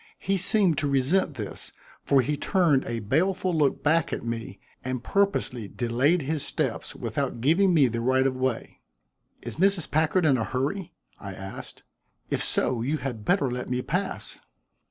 He seemed to resent this, for he turned a baleful look back at me and purposely delayed his steps without giving me the right of way. "Is Mrs. Packard in a hurry?" I asked. "If so, you had better let me pass."